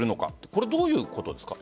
これどういうことですか？